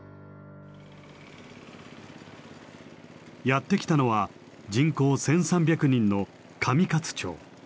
やって来たのは人口１，３００人の上勝町。